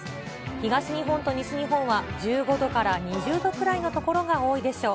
東日本と西日本は１５度から２０度くらいの所が多いでしょう。